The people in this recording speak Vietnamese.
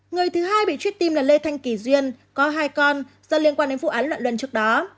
người thứ hai bị truy tìm là lê thanh kỳ duyên có hai con do liên quan đến vụ án loạn luân trước đó